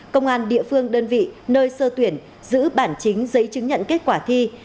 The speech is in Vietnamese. công an địa phương đơn vị nơi sơ tuyển giữ bản chính giấy chứng nhận kết quả thi